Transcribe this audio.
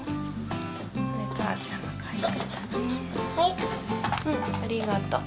ありがとう。